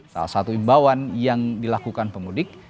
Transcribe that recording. salah satu imbauan yang dilakukan pemudik